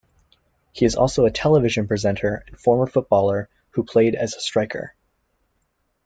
He is also a television presenter and former footballer who played as a striker.